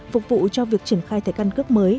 phục vụ cho việc triển khai thẻ căn cước mới